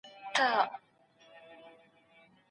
ولي کوښښ کوونکی د مستحق سړي په پرتله ژر بریالی کېږي؟